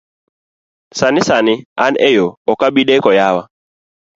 Sani sani an eyo, ok abideko yawa.